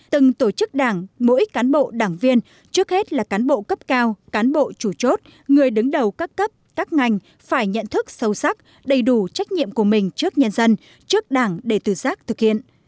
từng tổ chức đảng mỗi cán bộ đảng viên trước hết là cán bộ cấp cao cán bộ chủ chốt người đứng đầu các cấp các ngành phải nhận thức sâu sắc đầy đủ trách nhiệm của mình trước nhân dân trước đảng để tự giác thực hiện